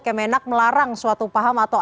kemenak melarang suatu paham atau